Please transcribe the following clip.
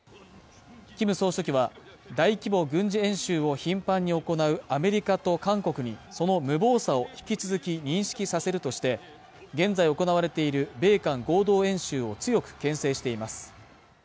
キム総書記は大規模軍事演習を頻繁に行うアメリカと韓国にその無謀さを引き続き認識させるとして、現在行われている米韓合同演習を強く牽制しています。